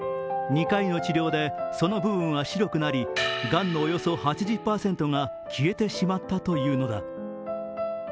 ２回の治療でその部分は白くなりがんのおよそ８０％が消えてしまったというのだ。